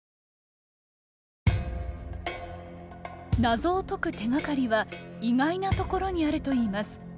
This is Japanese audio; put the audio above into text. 謎を解く手がかりは意外なところにあるといいます。